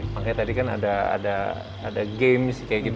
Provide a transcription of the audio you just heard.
makanya tadi kan ada games sih kayak gitu